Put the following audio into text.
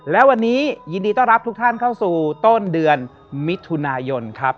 และวันนี้ยินดีต้อนรับทุกท่านเข้าสู่ต้นเดือนมิถุนายนครับ